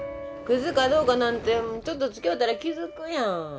クズかどうかなんてちょっとつきおうたら気付くやん。